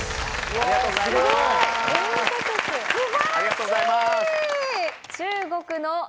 ありがとうございます。